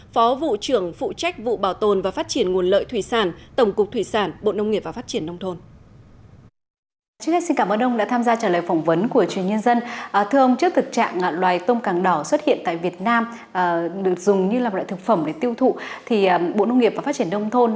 phó vụ trưởng phụ trách vụ bảo tồn và phát triển nguồn lợi thủy sản tổng cục thủy sản bộ nông nghiệp và phát triển nông thôn